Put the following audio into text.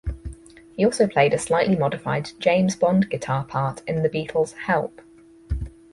He also played a slightly modified "James Bond" guitar part in The Beatles' "Help!